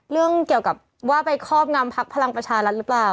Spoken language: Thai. เรื่องเกี่ยวกับว่าไปครอบงำพักพลังประชารัฐหรือเปล่า